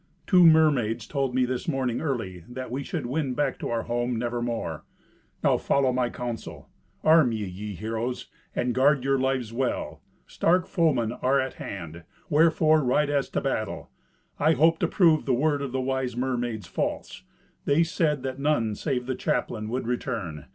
Two mermaids told me this morning early that we should win back to our home nevermore. Now follow my counsel. Arm ye, ye heroes, and guard your lives well. Stark foemen are at hand, wherefore ride as to battle. I hoped to prove the words of the wise mermaids false. They said that none save the chaplain would return.